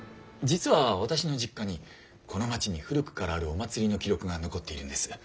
実は私の実家にこの町に古くからあるお祭りの記録が残っているんです。